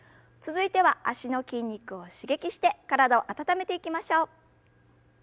続いては脚の筋肉を刺激して体を温めていきましょう。